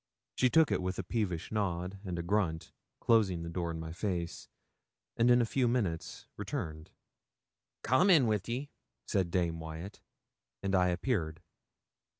She took it with a peevish nod and a grunt, closing the door in my face, and in a few minutes returned 'Come in wi' ye,' said Dame Wyat, and I appeared.